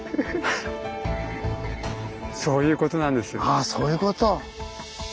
ああそういうこと？